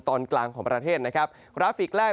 ตอนกลางของประเทศนะครับกราฟิกแรก